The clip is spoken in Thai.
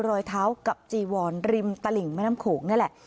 รอยเท้ากับจีวอนริมตลิ่งแม่น้ำโขงนี่แหละ